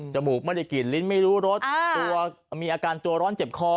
มูกไม่ได้กลิ่นลิ้นไม่รู้รสตัวมีอาการตัวร้อนเจ็บคอ